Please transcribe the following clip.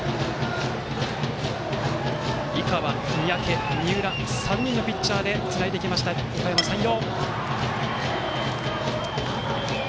井川、三宅、三浦の３人のピッチャーでつないできたおかやま山陽。